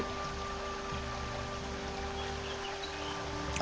あ。